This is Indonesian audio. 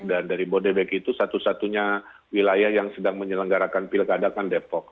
dan dari bodebek itu satu satunya wilayah yang sedang menyelenggarakan pilkadek kan depok